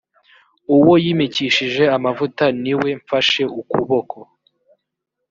uwo yimikishije amavuta ni we mfashe ukuboko